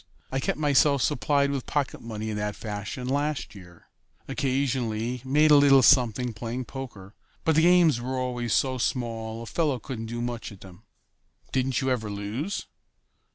I kept myself supplied with pocket money in that fashion last year. Occasionally made a little something playing poker, but the games were always so small a fellow couldn't do much at them." "Didn't you ever lose?"